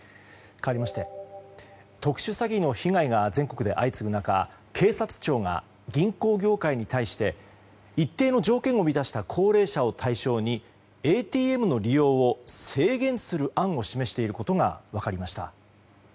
かわりまして特殊詐欺の被害が全国で相次ぐ中警察庁が銀行業界に対して一定の条件を満たした高齢者を対象にＡＴＭの利用を制限する案を示していることが分かりました。